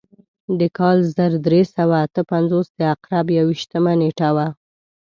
د کال زر درې سوه اته پنځوس د عقرب یو ویشتمه نېټه وه.